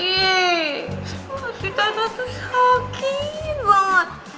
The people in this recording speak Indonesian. masih tata tata sakit banget